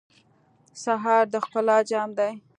سهار د ښکلا جام دی.